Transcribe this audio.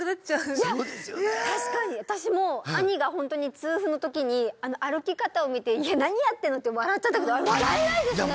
確かに私も兄がホントに痛風の時にあの歩き方を見て「いや何やってんの」って笑っちゃったけどあれ笑えないですね